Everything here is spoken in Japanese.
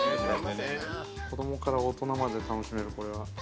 子供から大人まで楽しめる、これは。